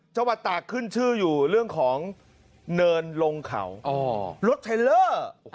ตากขึ้นชื่ออยู่เรื่องของเนินลงเขารถเทลเลอร์